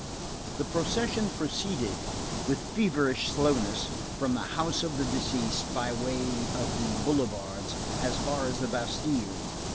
The procession proceeded, with feverish slowness, from the house of the deceased, by way of the boulevards as far as the Bastille.